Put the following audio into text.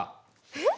えっ！？